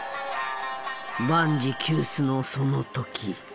万事休すのその時。